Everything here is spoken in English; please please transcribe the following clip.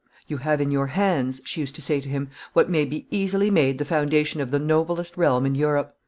] "You have in your hands," she used to say to him, "what may be easily made the foundation of the noblest realm in Europe.